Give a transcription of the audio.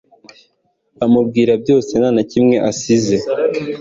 amubwira byose ntanakimwe asize